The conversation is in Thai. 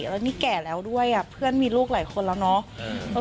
แล้วนี่แก่แล้วด้วยเพื่อนมีลูกหลายคนแล้วเนาะ